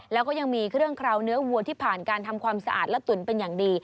แล้วก็ยังมีเครื่องเคราวเนื้อวัวที่ผ่านการทำความสะอาดและตุ๋นเป็นอย่างดี